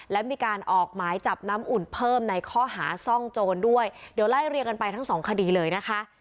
และมีการออกหมายจับน้ำอุ่นเพิ่มในข้อหาซ่องโจรด้วยเดี๋ยวไล่เรียงกันไปทั้งสองคดีเลยนะคะ